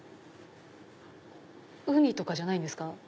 ウニとかじゃないんですか？